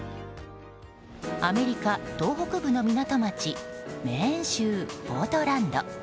アメリカ島北部の港町メーン州ポートランド。